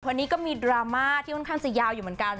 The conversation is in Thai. วันนี้ก็มีดราม่าที่ค่อนข้างจะยาวอยู่เหมือนกัน